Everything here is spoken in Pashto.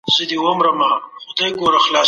د ملکیت اسناد باید قانوني او رسمي وي.